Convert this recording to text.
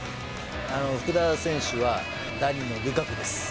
福田選手は第２のルカクです。